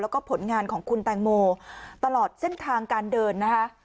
ของคุณแตงโมตลอดเส้นทางการเดินนะคะ